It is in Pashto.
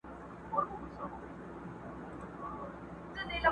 جرسونه به شرنګیږي د وطن پر لویو لارو٫